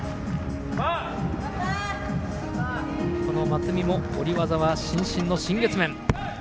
松見も下り技は伸身の新月面。